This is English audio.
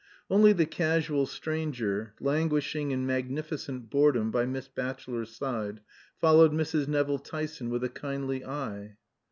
Only the casual stranger, languishing in magnificent boredom by Miss Batchelor's side, followed Mrs. Nevill Tyson with a kindly eye.